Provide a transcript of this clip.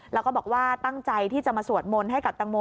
แล้วก็บอกว่าตั้งใจที่จะมาสวดมนต์ให้กับตังโม